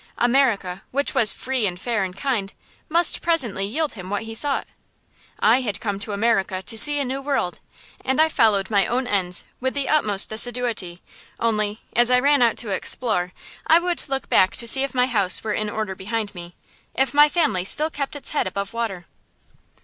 America, which was free and fair and kind, must presently yield him what he sought. I had come to America to see a new world, and I followed my own ends with the utmost assiduity; only, as I ran out to explore, I would look back to see if my house were in order behind me if my family still kept its head above water.